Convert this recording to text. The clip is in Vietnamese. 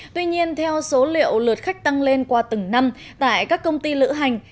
tuy nhiên theo số liệu lượt khách tăng lên qua từng năm tại các công ty lữ hành